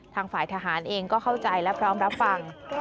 ทางฝ่ายทหารเองก็เข้าใจและพร้อมรับฟัง